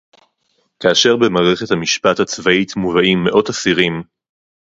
כאשר במערכת המשפט הצבאית מובאים מאות אסירים